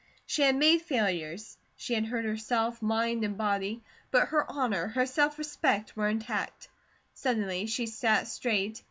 She had made failures, she had hurt herself, mind and body, but her honour, her self respect were intact. Suddenly she sat straight.